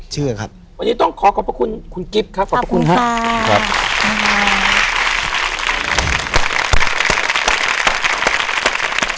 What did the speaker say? เชื่อครับวันนี้ต้องขอขอบคุณคุณกิ๊บครับขอบคุณค่ะขอบคุณค่ะ